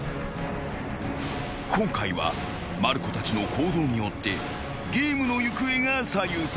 ［今回はまる子たちの行動によってゲームの行方が左右される］